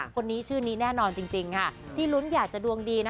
คนนี้ชื่อนี้แน่นอนจริงค่ะที่ลุ้นอยากจะดวงดีนะ